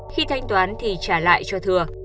khi thanh toán thì trả lại cho thừa